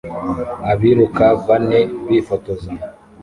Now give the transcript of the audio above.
Abiruka bane bifotoza